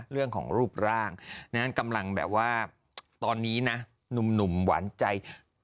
เรื่องของรูปร่างนั้นกำลังแบบว่าตอนนี้นะหนุ่มหวานใจ